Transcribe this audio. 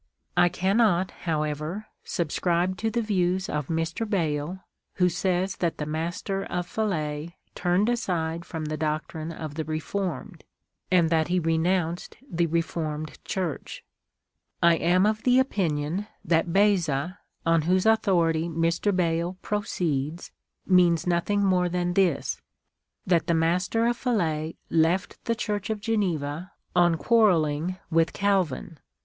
I cannot, however, subscribe to the views of Mr. Bayle, who says that the Master of Falais turned aside from the doctrine of the Re formed, and that he renounced the Reformed Church. I am of opinion that Beza, on whose authority Mr. Bayle pro ceeds, means nothing more than this, that the Master of Falais left the Church of Geneva on quarrelling with Calvin.